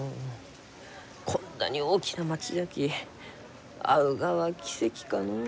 こんなに大きな町じゃき会うがは奇跡かのう。